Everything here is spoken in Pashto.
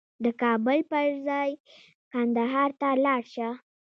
د کابل په ځای کندهار ته لاړ شه